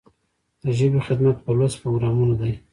د ژبې خدمت په لوست پروګرامونو دی.